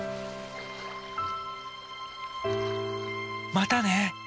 またね！